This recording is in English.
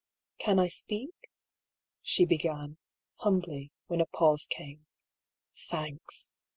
"Can I speak?" she began, humbly, when a pause came. "Thanks!